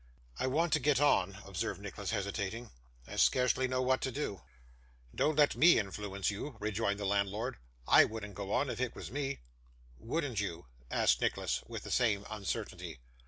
'I want to get on,' observed Nicholas, hesitating. 'I scarcely know what to do.' 'Don't let me influence you,' rejoined the landlord. 'I wouldn't go on if it was me.' 'Wouldn't you?' asked Nicholas, with the same uncertainty.